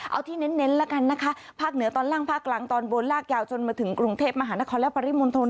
เอาที่เน้นแล้วกันนะคะภาคเหนือตอนล่างภาคกลางตอนบนลากยาวจนมาถึงกรุงเทพมหานครและปริมณฑล